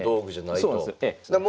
そうなんです。